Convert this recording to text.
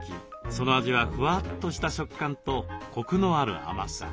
その味はふわっとした食感とコクのある甘さ。